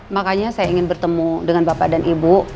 makanya saya ingin bertemu dengan bapak dan ibu